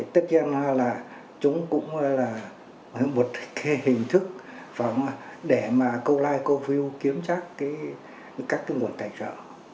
tất nhiên chúng cũng là một hình thức để câu like câu view kiểm tra các nguồn cảnh sở